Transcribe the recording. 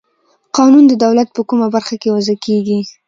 قانون د دولت په کومه برخه کې وضع کیږي؟